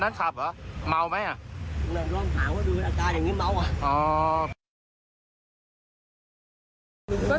ในรวมถามก็ดูอาการอย่างงี้เมาอ่ะ